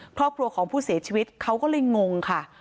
ครอบครัวของผู้เสียชีวิตเขาก็เลยงงค่ะ